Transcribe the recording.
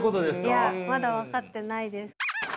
いやまだ分かってないです。